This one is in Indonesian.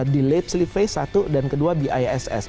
delayed sleep phase satu dan kedua biss